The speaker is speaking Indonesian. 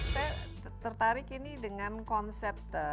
saya tertarik ini dengan konsep